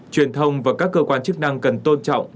truyền thông và các cơ quan chức năng cần tôn trọng